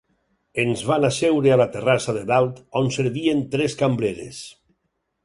Ens van asseure a la terrassa de dalt, on servien tres cambreres.